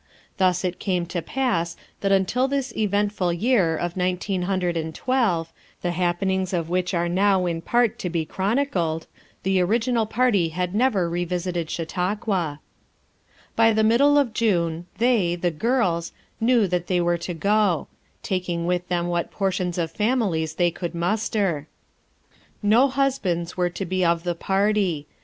Thus it came to pass that until this eventful year of nineteen hundred and twelve, the happenings of which are now in part to be chronicled, the original party had never revisited Chautauqua. FOUR MOTHERS AT CHAUTAUQUA 29 By the middle of June they, "the girls,' 5 knew that they were to go ; taking with them what portions of families they could muster. No husbands were to be of the party.